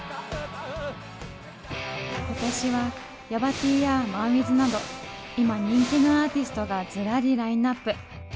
今年はヤバＴやマンウィズなど今人気のアーティストがずらりラインナップ。